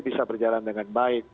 bisa berjalan dengan baik